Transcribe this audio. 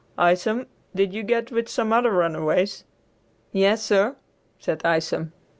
"Isom, did you get with some other runaways?" "Yes, sir," said Isom.